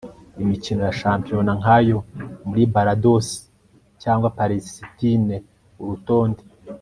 imikino ya shampiona nkayo muri Barbados cyangwa Palesitine urutonde